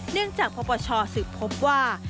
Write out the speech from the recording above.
เนื่องจากประปชสืบพบว่า